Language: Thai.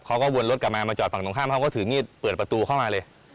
เขาก็วนรถกลับมามาจอดฝั่งตรงข้ามเขาก็ถือมีดเปิดประตูเข้ามาเลย